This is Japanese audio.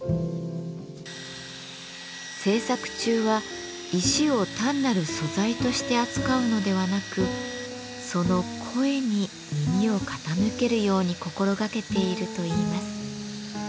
制作中は石を単なる素材として扱うのではなくその「声」に耳を傾けるように心がけているといいます。